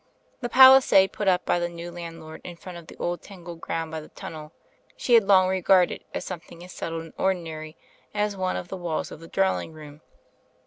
The palisade, put up by the new landlord in front of the old tanglerf ground by the tunnel, she had long regarded as something as settled and ordinary as one of the walls of the drawing room.